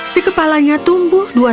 di kepalanya tumbuh sebuah kaki